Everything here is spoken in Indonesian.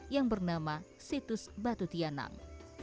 yang bernama situs batu tianang